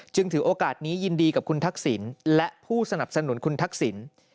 ถือโอกาสนี้ยินดีกับคุณทักษิณและผู้สนับสนุนคุณทักษิณ